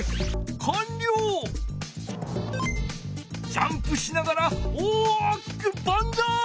ジャンプしながら大きくバンザイ！